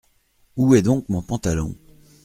Où est donc mon pantalon ?…